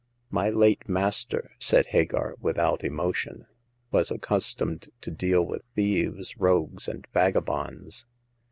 " My late master," said Hagar, without emotion, " was accustomed to deal with thieves, rogues, and vagabonds.